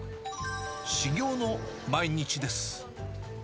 修業の毎日です。